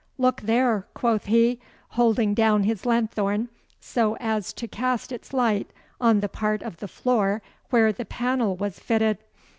'Look there!' quoth he, holding down his lanthorn so as to cast its light on the part of the floor where the panel was fitted.